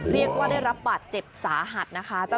เรียกว่าได้รับบาดเจ็บสาหัสนะคะ